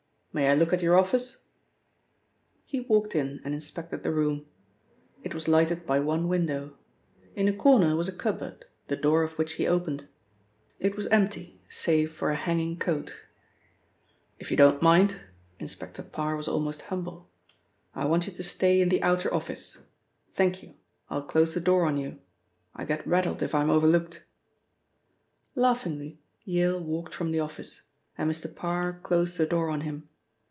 May I look at your office?" He walked in and inspected the room. It was lighted by one window. In a corner was a cupboard, the door of which he opened. It was empty save for a hanging coat. "If you don't mind," Inspector Parr was almost humble, "I want you to stay in the outer office. Thank you, I'll close the door on you. I get rattled if I am overlooked." Laughingly Yale walked from the office, and Mr. Parr closed the door on him.